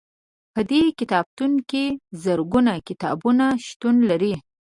په دې کتابتون کې زرګونه کتابونه شتون لري.